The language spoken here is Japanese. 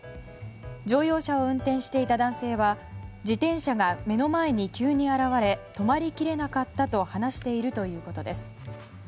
乗用車を運転していた男性は自転車が目の前に急に現れ止まり切れなかったと話しているということです。